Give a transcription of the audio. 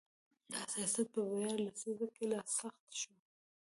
دا سیاست په ویاو لسیزه کې لا سخت شو.